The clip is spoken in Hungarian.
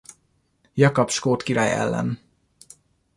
Jakab skót király ellen.